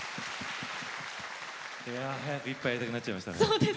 いや早く１杯やりたくなっちゃいましたね。